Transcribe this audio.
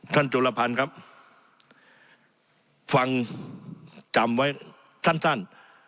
ท่านจุลภัณฑ์ครับฟังจำไว้สั้นสั้น